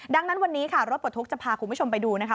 ดังนั้นวันนี้ค่ะรถปลดทุกข์จะพาคุณผู้ชมไปดูนะคะ